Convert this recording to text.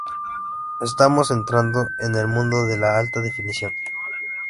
Estamos entrando en el mundo de la alta definición.